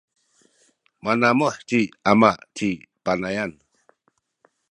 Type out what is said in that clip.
manamuh ci ama ci Panayan.